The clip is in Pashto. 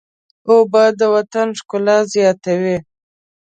اوبه د وطن ښکلا زیاتوي.